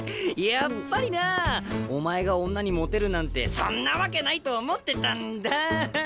やっぱりなお前が女にモテるなんてそんなわけないと思ってたんだ。